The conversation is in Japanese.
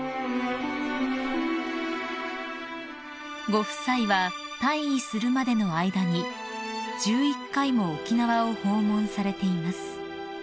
［ご夫妻は退位するまでの間に１１回も沖縄を訪問されています］